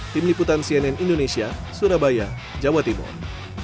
tim liputan cnn indonesia surabaya jawa timur